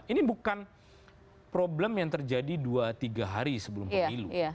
ini bukan problem yang terjadi dua tiga hari sebelum pemilu